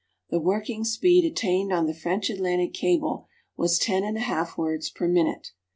The working speed attained on the French Atlantic cable was ten and a half words per minute.